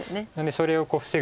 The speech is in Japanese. それを防ぐ